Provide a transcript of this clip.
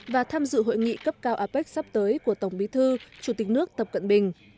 và tham dự hội nghị cấp cao apec sắp tới của tổng bí thư chủ tịch nước tập cận bình